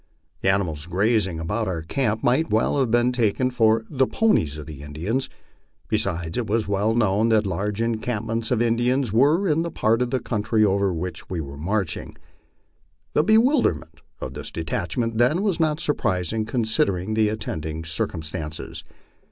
The animals grazing about our camp might well have been taken for the ponies of the Indians. Besides, it was well known that large encampments of Indians were in the part of the country over which we were marching. The bewilderment of this detachment, then, was not surprising considering the attending circumstances.